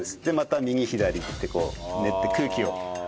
でまた右左ってこう練って空気を。